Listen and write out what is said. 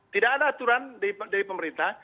tidak ada aturan dari pemerintah